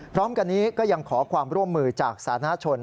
พร้อมกันนี้ก็ยังขอความร่วมมือจากสาธารณชน